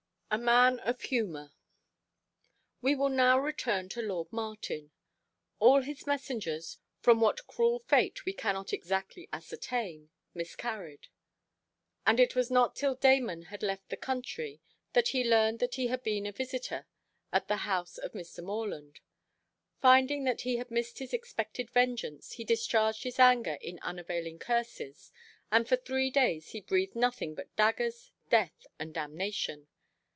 A Man of Humour. We will now return to lord Martin. All his messengers, from what cruel fate we cannot exactly ascertain, miscarried; and it was not till Damon had left the country, that he learned that he had been a visitor at the house of Mr. Moreland. Finding that he had missed his expected vengeance, he discharged his anger in unavailing curses, and for three days he breathed nothing but daggers, death, and damnation.